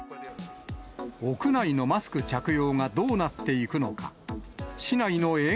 屋内のマスク着用がどうなっていくのか。